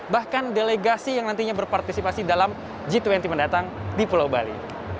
bahkan delegasi yang nantinya berpartisipasi dalam g dua puluh mendatang di pulau bali